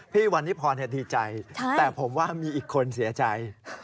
พี่วันนิพรดีใจแต่ผมว่ามีอีกคนเสียใจ